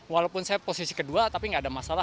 walaupun saya posisi kedua tapi nggak ada masalah